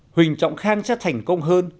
huỳnh trọng khang sẽ thành công hơn